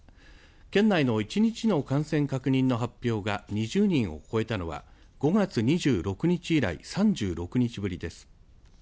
県内の１日の感染確認の発表が２０人を超えたのは５月２６日以来３６日ぶりです。